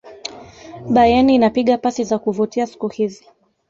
bayern inapiga pasi za kuvutia siku hizi